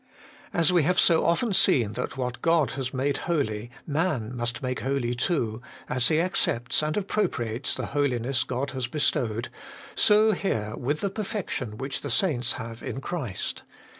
As we have so often seen that what God has made holy man must make holy too, as he accepts and appropriates the holiness God has bestowed, so here with the perfection which the saints have in Christ.